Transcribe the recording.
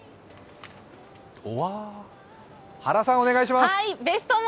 おわぁ原さん、お願いします。